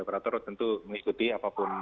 operator tentu mengikuti apapun